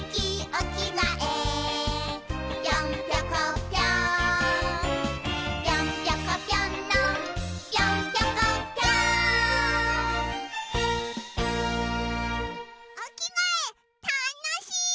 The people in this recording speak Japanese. おきがえたのしい！